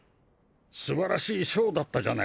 すばらしいショーだったじゃないか。